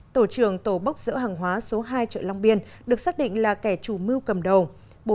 tổ trưởng tổ bốc dỡ hàng hóa số hai chợ long biên được xác định là kẻ chủ mưu cầm đầu